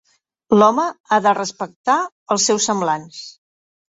L'home ha de respectar els seus semblants.